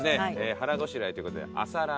腹ごしらえということで。